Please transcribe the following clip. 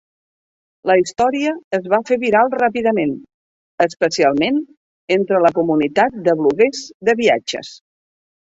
La història es va fer viral ràpidament, especialment entre la comunitat de bloguers de viatges.